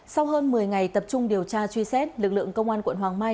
sau hơn một mươi ngày tập trung điều tra truy xét lực lượng công an quận hoàng mai